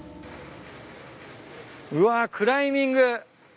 うわクライミング。